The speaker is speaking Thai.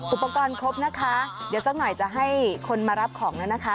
อุปกรณ์ครบนะคะเดี๋ยวสักหน่อยจะให้คนมารับของแล้วนะคะ